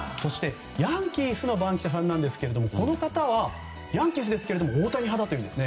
ヤンキースの番記者さんですがこの方は、ヤンキースですが大谷派です。